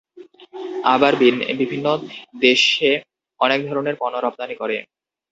আবার বিভিন্ন দেশে অনেক ধরনের পণ্য রপ্তানি করে।